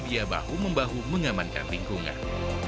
ia bahu membahu mengamankan lingkungan